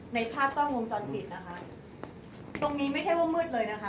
ในภาพกล้องวงจรปิดนะคะตรงนี้ไม่ใช่ว่ามืดเลยนะคะ